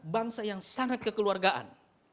bangsa yang sangat kekeluargaan